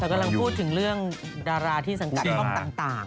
แต่กำลังพูดถึงเรื่องดาราที่สังกัดห้องต่าง